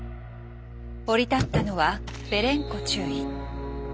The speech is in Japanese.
降り立ったのはベレンコ中尉。